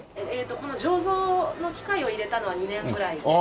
この醸造の機械を入れたのは２年ぐらい。